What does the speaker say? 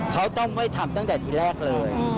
เขาต้องไม่ทำตั้งแต่ทีแรกเลย